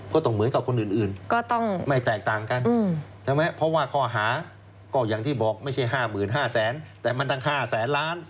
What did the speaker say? ก็ต้องเหมือนกับคนอื่นก็ต้องไม่แตกต่างกันใช่ไหมเพราะว่าข้อหาก็อย่างที่บอกไม่ใช่๕๕๐๐๐แต่มันตั้ง๕แสนล้าน